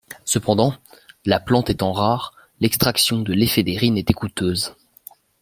Cependant, la plante étant rare, l'extraction de l'éphédrine était coûteuse.